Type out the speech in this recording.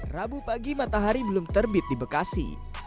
rabu pagi matahari belum terbit di bekasi